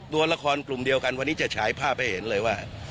ตัวละครกลุ่มเดียวกันวันนี้จะฉายภาพให้เห็นเลยว่า